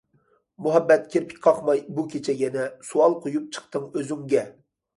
مۇھەببەت كىرپىك قاقماي بۇ كېچە يەنە، سوئال قويۇپ چىقتىڭ ئۆزۈڭگە.